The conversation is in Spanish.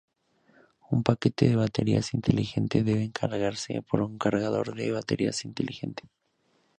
Un paquete de baterías inteligente debe recargarse por un cargador de baterías inteligente.